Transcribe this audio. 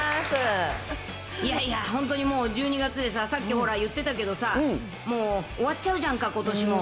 いやいや、本当にもう、１２月でさ、さっきほら、言ってたけどさ、もう終わっちゃうじゃんか、ことしも。